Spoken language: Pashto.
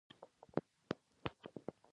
د بهرنیو پر ځای کورني حلونه غوره دي.